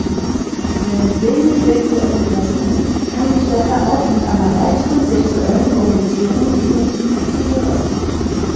Eine demisexuelle Person kann sich daher auch mit einer weiteren sexuellen Orientierung identifizieren.